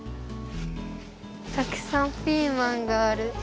たくさんピーマンがある。